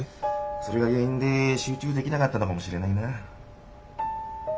それが原因で集中できなかったのかもしれないな。